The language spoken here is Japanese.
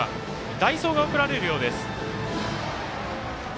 代走が送られるようです。